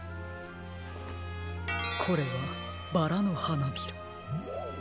これはバラのはなびら。